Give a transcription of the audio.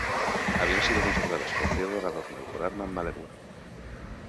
Habían sido conservadas por Theodor Adorno y por Alma Mahler-Werfel.